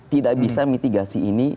tidak bisa mitigasi ini